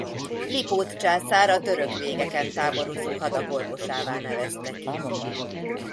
Lipót császár a török végeken táborozó hadak orvosává nevezte ki.